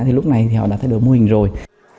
thì lúc này thì họ đã thay đổi mô hình rồi